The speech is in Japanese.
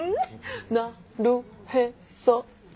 なるへそね。